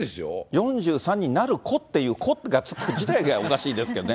４３になる子っていう、子が付く自体がおかしいですけどね。